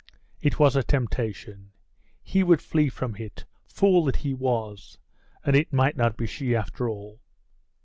It was a temptation! He would flee from it! Fool that he was! and it might not be she after all!